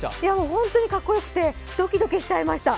本当にかっこよくてドキドキしちゃいました。